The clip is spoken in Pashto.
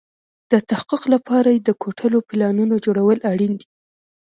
د تحقق لپاره يې د کوټلو پلانونو جوړول اړين دي.